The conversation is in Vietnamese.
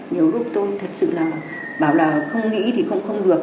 nhiều lúc tôi thật sự là bảo là không nghĩ thì cũng không được